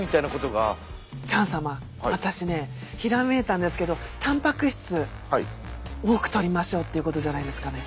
チャン様私ねひらめいたんですけどたんぱく質を多くとりましょうってことじゃないですかね。